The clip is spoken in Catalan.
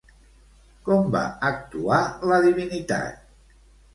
Com va actuar la divinitat?